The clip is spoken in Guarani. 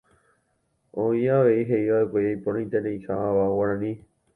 Oĩ avei heʼívaʼekue iporãitereiha ava guarani.